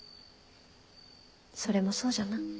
それもそうじゃな。